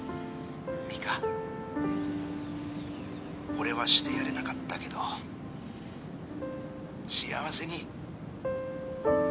俺はしてやれなかったけど幸せに。